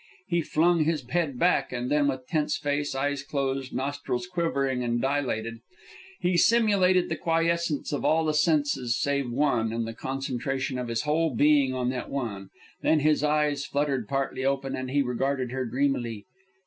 He flung his head back, and with tense face, eyes closed, nostrils quivering and dilated, he simulated the quiescence of all the senses save one and the concentration of his whole being upon that one. Then his eyes fluttered partly open and he regarded her dreamily.